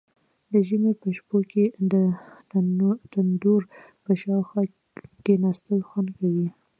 د ژمي په شپو کې د تندور په شاوخوا کیناستل خوند کوي.